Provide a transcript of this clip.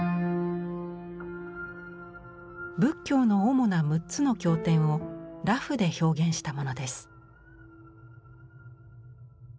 仏教の主な６つの経典を裸婦で表現したものです。